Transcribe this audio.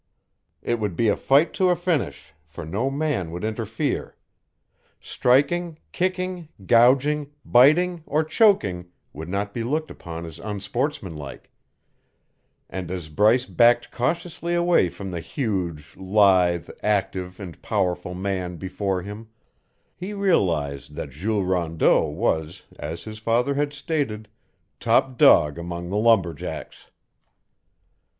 It would be a fight to a finish, for no man would interfere; striking, kicking, gouging, biting, or choking would not be looked upon as unsportsmanlike; and as Bryce backed cautiously away from the huge, lithe, active, and powerful man before him, he realized that Jules Rondeau was, as his father had stated, "top dog among the lumberjacks."